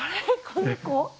この子。